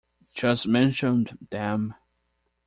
Just mentioned them.